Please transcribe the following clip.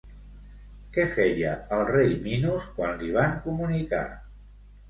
Què feia el rei Minos quan li van comunicar?